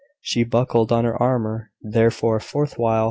She buckled on her armour, therefore, forthwith.